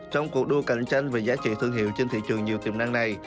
trong cuộc đua cạnh tranh về giá trị thương hiệu trên thị trường nhiều tiềm năng này